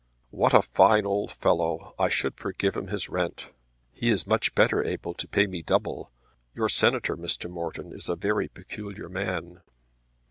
"What a fine old fellow! I should forgive him his rent." "He is much better able to pay me double. Your Senator, Mr. Morton, is a very peculiar man."